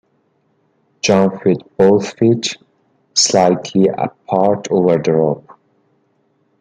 Jump with both feet slightly apart over the rope.